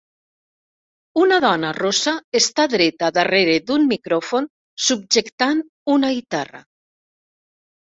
Una dona rossa està dreta darrere d'un micròfon subjectant una guitarra.